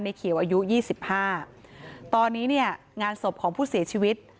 เขียวอายุยี่สิบห้าตอนนี้เนี่ยงานศพของผู้เสียชีวิต